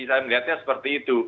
saya melihatnya seperti itu